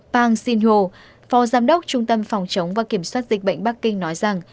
pang xinhu phó giám đốc trung tâm phòng chống và kiểm soát dịch bệnh bắc kinh nói rằng